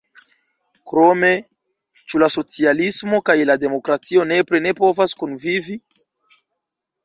Krome, ĉu la socialismo kaj la demokratio nepre ne povas kunvivi?